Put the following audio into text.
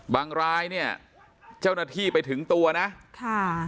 รายเนี่ยเจ้าหน้าที่ไปถึงตัวนะค่ะ